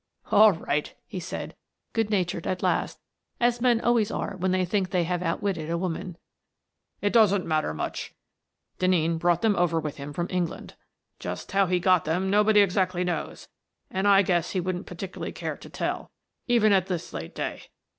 "All right," he said, good natured at last, as men always are when they think they have out witted a woman. " It doesn't matter much. Den neen brought them over with him from England. Just how he got them, nobody exactly knows, and I guess he wouldn't particularly care to tell, even at this late day.